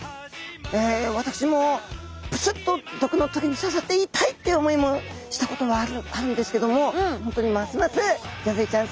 私もぷすっと毒の棘に刺さって痛いっていう思いもしたことはあるんですけども本当にますますギョンズイちゃんす